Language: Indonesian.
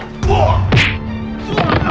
kamu gak apa apa